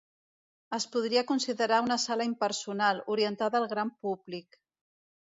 Es podria considerar una sala impersonal, orientada al gran públic.